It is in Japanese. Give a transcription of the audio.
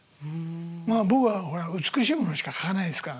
僕はほら美しいものしか描かないですから。